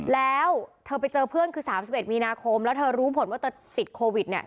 แล้วเธอไปเจอเพื่อนคือ๓๑มีนาคมแล้วเธอรู้ผลว่าเธอติดโควิดเนี่ย